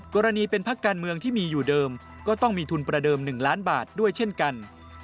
กรณีเป็นพักการเมืองที่มีอยู่เดิมก็ต้องมีทุนประเดิม๑ล้านบาทด้วยเช่นกัน